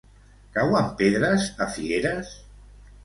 Cauen pedres a Figueres?